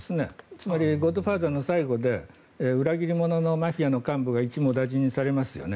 つまり「ゴッドファーザー」の最後で裏切り者のマフィアの幹部が一網打尽にされますよね。